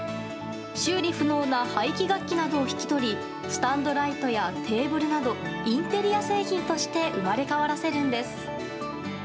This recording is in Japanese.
修理不能な廃棄楽器などを引き取りスタンドライトやテーブルなどインテリア製品として生まれ変わらせるんです。